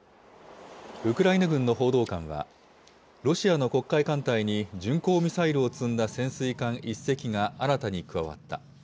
ウクライナ軍の報道官は、ロシアの黒海艦隊に巡航ミサイルを積んだ潜水艦１隻が新たに加わった。